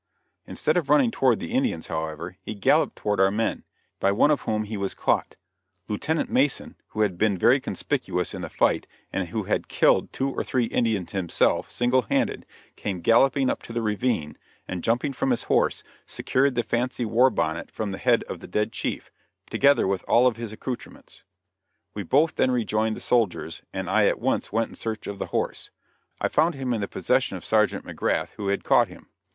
Instead of running toward the Indians, however, he galloped toward our men, by one of whom he was caught. Lieutenant Mason, who had been very conspicuous in the fight and who had killed two or three Indians himself, single handed, came galloping up to the ravine and jumping from his horse, secured the fancy war bonnet from the head of the dead chief, together with all his other accoutrements. We both then rejoined the soldiers, and I at once went in search of the horse; I found him in the possession of Sergeant McGrath, who had caught him.